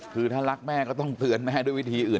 คือถ้ารักแม่ก็ต้องเตือนแม่ด้วยวิธีอื่น